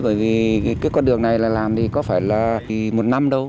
bởi vì cái con đường này là làm thì có phải là một năm đâu